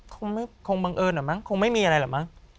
คงบังเอิญเหรอมั้งคงไม่มีอะไรหรอกมั้ง